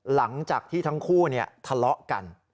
หลังจากที่ทั้งคู่ทะเลาะกัน